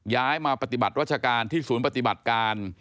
ย้ายมาปฏิบัติรัชการที่ศูนย์ปฏิบัติการ